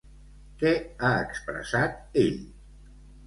Què ha expressat ell?